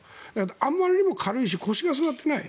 あまりにも軽いし腰が据わっていない。